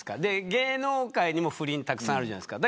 芸能界にも不倫たくさんあるじゃないですか。